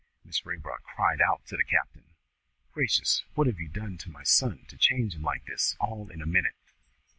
Mrs. Raybrock cried out to the captain, "Gracious! what have you done to my son to change him like this all in a minute?"